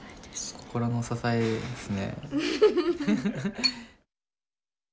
心の支えですね。